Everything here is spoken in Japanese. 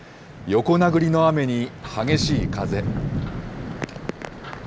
横殴りの雨に激しい風。